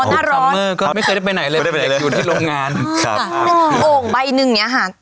น่าร้อนก็ไม่เคยได้ไปไหนเลยไปที่โรงงานอ้อโอ่งใบนึงเนี้ยฮะ